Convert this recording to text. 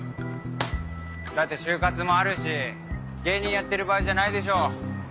だって就活もあるし芸人やってる場合じゃないでしょ。